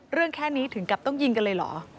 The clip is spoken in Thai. แค่นี้ถึงกับต้องยิงกันเลยเหรอ